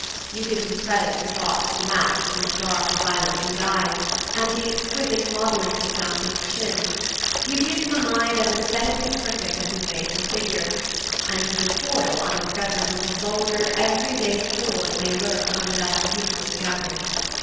You give him credit for thoughts to match with his dark, violet hued eyes, and the exquisite modelling of his mouth and chin; you give him a mind as æsthetically perfect as his face and figure, and you recoil on discovering what a vulgar every day sword may lurk under that beautiful scabbard.